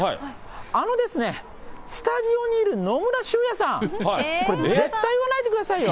あのですね、スタジオにいる野村修也さん、これ、絶対言わないでくださいよ。